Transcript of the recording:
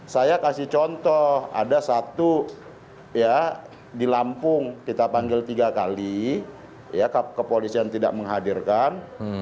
saya kasih contoh ada satu ya di lampung kita panggil tiga kali ya kepolisian tidak menghadirkan